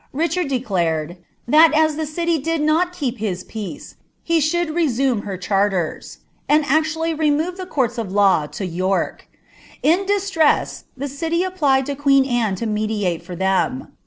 Kichard ileclanid ■* tliai as the on did not keep his peace, be should resume her chnrlvrs,'* and anaiB" removed liie courts of law to York In distress. Ihe city afipM b> queen Anne lo mediate for them.